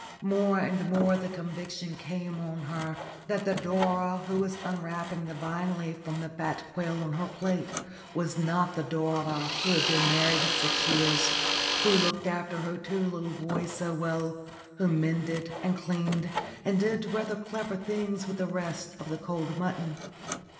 More and more the conviction came on her that the Dora who was unwrapping the vine leaf from the fat quail on her plate was not the Dora who had been married six years, who looked after her two little boys so well, who mended, and cleaned, and did rather clever things with the rest of the cold mutton.